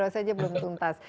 dua saja belum tuntas